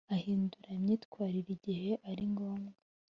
ahindura imyitwarire igihe ari ngombwa